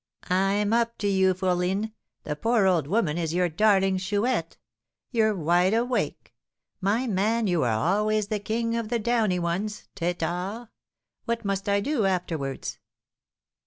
"I'm up to you, fourline; the poor old woman is your darling Chouette. You're 'wide awake!' My man, you are always the king of the 'downy ones' (têtards). What must I do afterwards?"